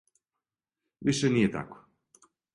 Више није тако.